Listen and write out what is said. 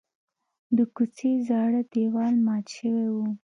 د کوڅې زاړه دیوال مات شوی و.